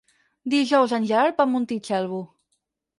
Dijous en Gerard va a Montitxelvo.